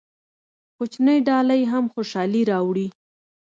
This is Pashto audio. کوچنۍ ډالۍ هم خوشحالي راوړي.